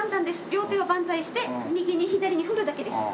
両手を万歳して右に左に振るだけです。